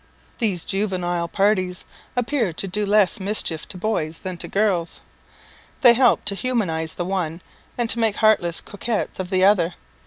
These juvenile parties appear to do less mischief to boys than to girls. They help to humanize the one, and to make heartless coquets of the other.